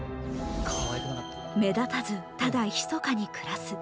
目立たずただひそかに暮らす。